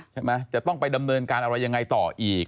ใช่ไหมจะต้องไปดำเนินการอะไรยังไงต่ออีก